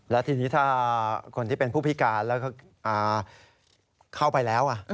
แล้วทีนี้ถ้าคนที่เป็นผู้พิการแล้วเข้าไปแล้ว